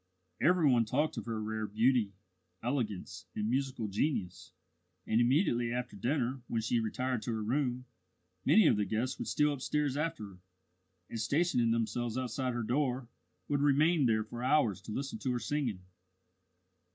Every one talked of her rare beauty, elegance, and musical genius, and immediately after dinner, when she retired to her room, many of the guests would steal upstairs after her, and, stationing themselves outside her door, would remain there for hours to listen to her singing.